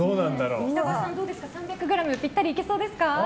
北川さん、３００ｇぴったりいけそうですか？